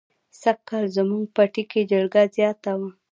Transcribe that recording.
سږ کال زموږ پټي کې جلگه زیاته وه.